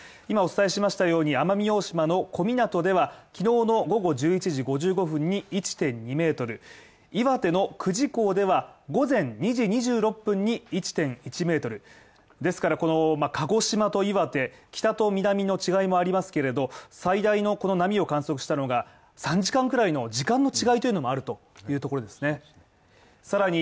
今お伝えしましたように奄美大島の小湊では、昨日の午後１１時５５分に１．２ｍ、岩手の久慈港では午前２時２６分に１．１ｍですから鹿児島と岩手北と南の違いもありますけれども最大のこの波を観測したのが３時間くらいの時間の違いというのもあるというところですね。